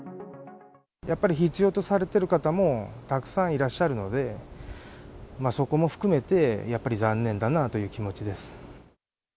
やっぱり必要とされている方もたくさんいらっしゃるので、そこも含めて、やっぱり残念だなという気持ちです。